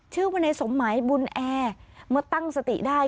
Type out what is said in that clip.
ชื่อว่านายสมหมายบุญแอมาตั้งสติได้